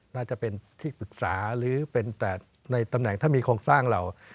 น่าจะเป็นที่ปรึกษาหรือเป็นแต่ในตำแหน่งถ้ามีโครงสร้างเรา